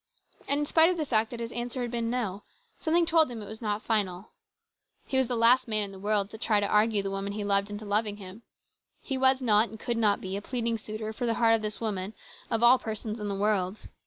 And in spite of the fact that his answer had been No, something told him it was not final. He was the last man in the world to try to argue the woman he loved into loving him. He was not and could not be a pleading suitor for the heart of this woman of all persons in the world.